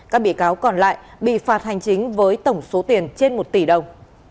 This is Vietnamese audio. các bị cáo còn lại bị phạt hành chính với tổng số tiền trên một tỷ đồng